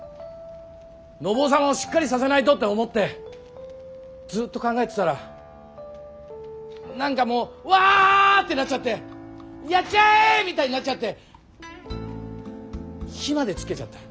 信夫様をしっかりさせないと」って思ってずっと考えてたら何かもう「わ！」ってなっちゃって「やっちゃえ！」みたいになっちゃって火までつけちゃった。